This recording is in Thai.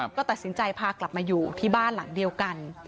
ก็ตัดสินใจพากลับมาอยู่ที่บ้านหลังเดียวกัน